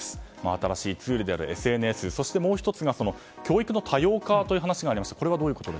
新しいツールであるＳＮＳそして、もう１つが教育の多様化ということもありました。